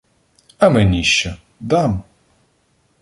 — А мені що! Дам.